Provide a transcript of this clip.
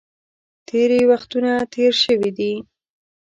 تېرې وختونه تېر شوي دي.